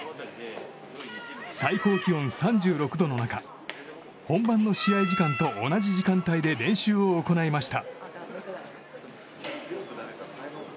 最高気温３６度の中本番の試合時間と同じ時間帯で練習を行いました。